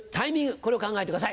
これを考えてください。